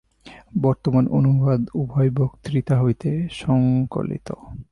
বর্তমান অনুবাদ উভয় বক্তৃতা হইতে সঙ্কলিত।